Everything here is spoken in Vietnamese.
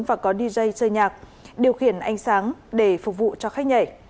và có dj chơi nhạc điều khiển ánh sáng để phục vụ cho khách nhảy